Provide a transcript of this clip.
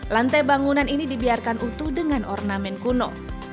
lantai bangunan ini dibiarkan utuh dengan ornamen kuno